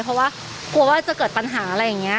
เพราะว่ากลัวว่าจะเกิดปัญหาอะไรอย่างนี้